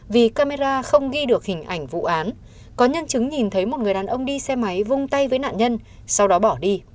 vì camera không ghi được hình ảnh vụ án có nhân chứng nhìn thấy một người đàn ông đi xe máy vung tay với nạn nhân sau đó bỏ đi